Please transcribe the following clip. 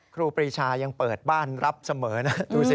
ครูปรีชายังเปิดบ้านรับเสมอนะดูสิ